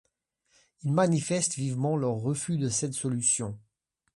Ils manifestent vivement leur refus de cette solution.